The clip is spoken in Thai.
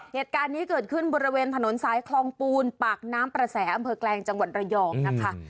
เหตุการณ์นี้เกิดขึ้นบริเวณถนนสายคลองปูนปากน้ำประแสอำเภอแกลงจังหวัดระยองนะคะ